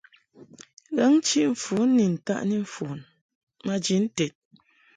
Ghǎŋ-chiʼ-mfon ni ntaʼni mfon maji nted.